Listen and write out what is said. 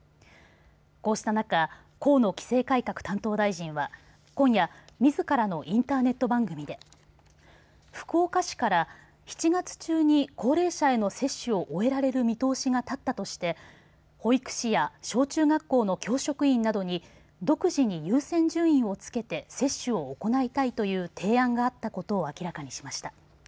こうした中河野規制改革担当大臣は今夜みずからのインターネット番組で福岡市から７月中に高齢者への接種を終えられる見通しが立ったとして保育士や小中学校の教職員などに独自に優先順位をつけて接種を行いたいというご提案があったことを明らかにしました。